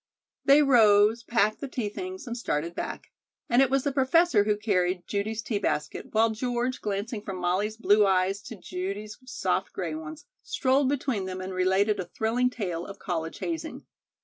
They rose, packed the tea things and started back. And it was the Professor who carried Judy's tea basket, while George, glancing from Molly's blue eyes to Judy's soft gray ones, strolled between them and related a thrilling tale of college hazing.